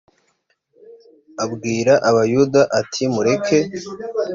abwira abayuda ati mureke